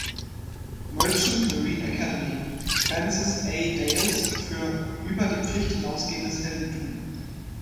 Merchant Marine Academy, Francis A. Dales für „Über die Pflicht hinausgehendes Heldentum“.